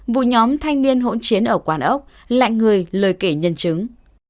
vụ nhóm thanh niên hỗn chiến ở quán ốc lại người lời kể nhân chứng